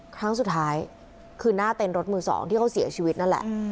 ครั้งสุดท้ายคือหน้าเต้นรถมือสองที่เขาเสียชีวิตนั่นแหละ